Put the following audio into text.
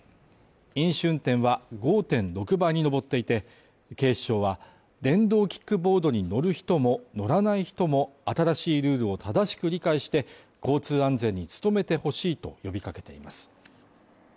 飲酒運転は５．６倍に上っていて、警視庁は、電動キックボードに乗る人も乗らない人も、新しいルールを正しく理解して、交通安全に努めてほしいと呼びかけています。